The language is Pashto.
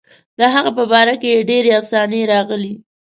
د هغه په باره کې ډېرې افسانې راغلي.